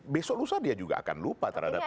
besok lusa dia juga akan lupa terhadap